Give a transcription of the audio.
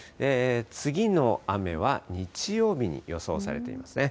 次の雨は日曜日に予想されていますね。